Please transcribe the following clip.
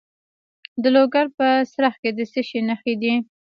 د لوګر په څرخ کې د څه شي نښې دي؟